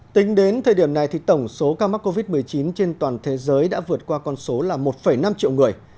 tính đến thời điểm này thì tổng số ca mắc covid một mươi chín trên toàn thế giới đã vượt qua con số là một năm triệu người